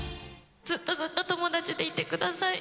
ずっとずっと友達でいてください。